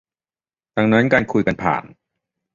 ดังนั้นการคุยกันผ่าน